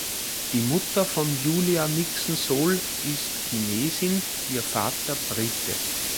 Die Mutter von Julia Nickson-Soul ist Chinesin, ihr Vater Brite.